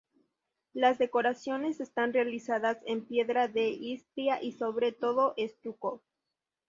Las decoraciones están realizadas en piedra de Istria y sobre todo estuco.